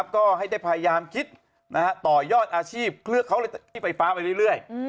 ก็ให้ได้พยายามคิดต่อยอดอาชีพเลือกเขาที่ไฟฟ้าไปเรื่อย